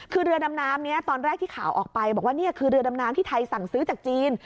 คือเรือดำน้ำนี้ตอนแรกที่ข่าวออกไปบอกว่านี่คือเรือดำน้ำที่ไทยสั่งซื้อจากจีน